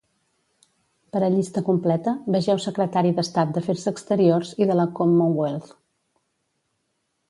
Per a llista completa, vegeu Secretari d'Estat d'Afers Exteriors i de la Commonwealth.